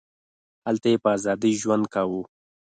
هلته یې په ازادۍ ژوند کاوه.